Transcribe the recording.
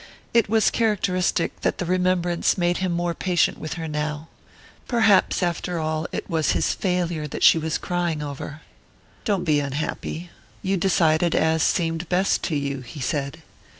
It was characteristic that the remembrance made him more patient with her now. Perhaps, after all, it was his failure that she was crying over.... "Don't be unhappy. You decided as seemed best to you," he said.